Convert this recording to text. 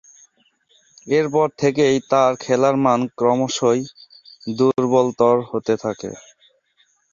এর পর থেকেই তার খেলার মান ক্রমশঃ দূর্বলতর হতে থাকে।